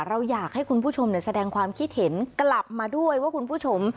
เราอยากให้คุณผู้ชมแสดงความคิดเห็นกลับมาด้วยว่าคุณผู้ชม